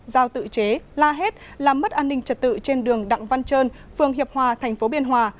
giao tự chế la hét làm mất an ninh trật tự trên đường đặng văn trơn phường hiệp hòa thành phố biên hòa